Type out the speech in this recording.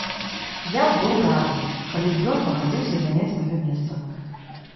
Я б быў рады, калі б ён пагадзіўся заняць маё месца.